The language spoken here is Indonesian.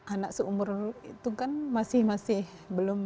anak seumur itu kan masih masih belum